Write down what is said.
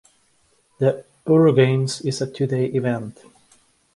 The EuroGames is a two-day event.